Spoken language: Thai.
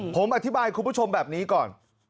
ผมอธิบายคุณผู้ชมแบบนี้ก่อน